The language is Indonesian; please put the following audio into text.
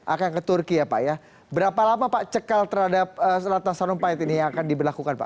akan ke turki ya pak ya berapa lama pak cekal terhadap ratna sarumpait ini yang akan diberlakukan pak